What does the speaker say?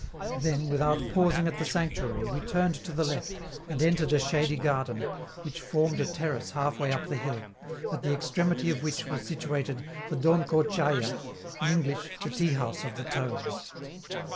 Then, without pausing at the sanctuary, we turned to the left, and entered a shady garden, which formed a terrace halfway up the hill, at the extremity of which was situated the Donko Tchaya in English, the Teahouse of the Toads.